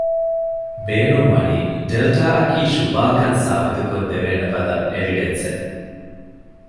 ބޭނުންވަނީ ޑެލްޓާ އަކީ ޝުބާކަން ސާބިތުކޮށްދެވޭނެފަދަ އެވިޑެންސްއެއް